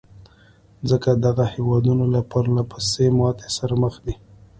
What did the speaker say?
ځکه دغه هېوادونه له پرلهپسې ماتې سره مخ دي.